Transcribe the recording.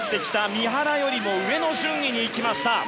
三原よりも上の順位に行きました。